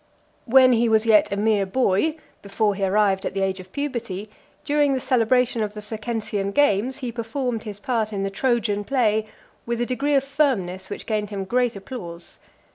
VII. When he was yet a mere boy, before he arrived at the age of puberty, during the celebration of the Circensian games , he performed his part in the Trojan play with a degree of firmness which gained him great applause.